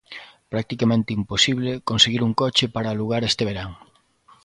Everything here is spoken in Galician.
Practicamente imposible conseguir un coche para alugar este verán.